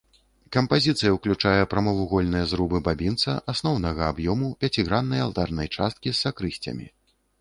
Кампазіцыя ўключае прамавугольныя зрубы бабінца, асноўнага аб'ёму, пяціграннай алтарнай часткі з сакрысціямі.